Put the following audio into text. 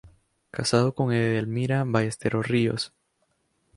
Casado con Edelmira Ballesteros Ríos.